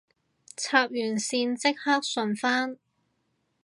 插完線即刻順返